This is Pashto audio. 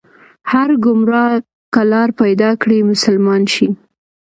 هر ګمراه که لار پيدا کړي، مسلمان شي